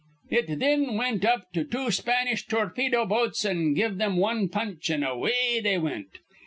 It thin wint up to two Spanish torpedo boats an' giv thim wan punch, an' away they wint.